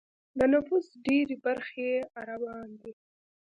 د نفوس ډېری برخه یې عربان دي.